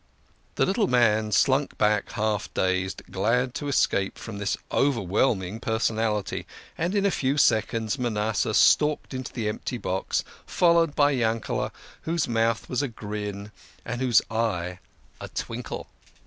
, The little man slunk back half dazed, glad to escape from this overwhelming personality, and in a few seconds Manasseh stalked into the empty box, followed by Yankele^ whose mouth was a grin and whose eye a twinkle.